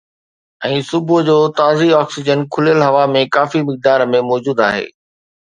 ۽ صبح جو، تازي آڪسيجن کليل هوا ۾ ڪافي مقدار ۾ موجود آهي